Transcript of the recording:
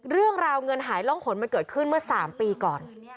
เรื่องราวเงินหายร่องขนมันเกิดขึ้นเมื่อ๓ปีก่อน